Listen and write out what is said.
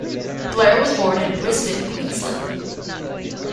Blair was born in Brisbane, Queensland.